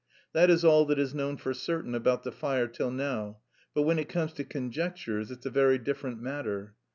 That is all that is known for certain about the fire till now; but when it comes to conjectures it's a very different matter.